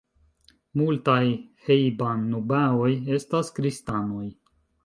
Multaj hejban-nubaoj estas kristanoj.